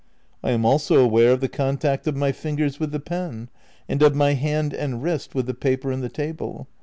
I am also aware of the contact of my fingers with the pen and of my hand and wrist with the paper and the table.